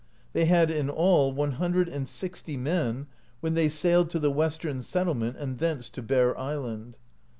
They had in all one hundred and sixty men, when they sailed to the Western settlement (45), and thence to Bear Island.